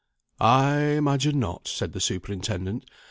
"I imagine not," said the superintendent.